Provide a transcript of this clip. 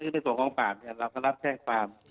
ในส่วนของปราบเราก็รับแจ้งความ